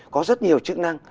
có rất nhiều chức năng